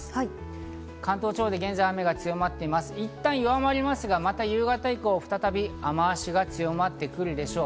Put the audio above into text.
いったん弱まりますが、夕方以降、また雨脚が強まってくるでしょう。